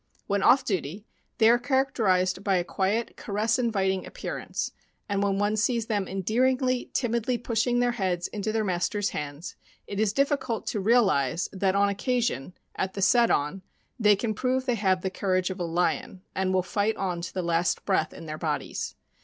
When "off duty" they are characterized by a quiet, caress inviting appearance; and when one sees them endearingly, timidly pushing their heads into their master's hands, it is difficult to realize that on occasion, at the "set on," they can prove they have the courage of a lion, and will fight on to the last breath in their bodies.